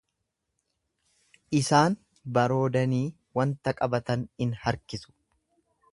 Isaan baroodanii wanta qabatan in harkisu.